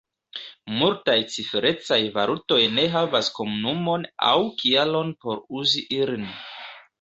Multaj ciferecaj valutoj ne havas komunumon aŭ kialon por uzi ilin.